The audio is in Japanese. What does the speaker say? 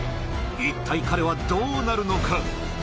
一体彼はどうなるのか？